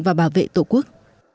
và bảo vệ tổ quốc